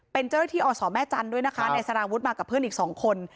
เป็นเจ้าหน้าที่อสแม่จันทร์ด้วยนะคะนายสารวุฒิมากับเพื่อนอีกสองคน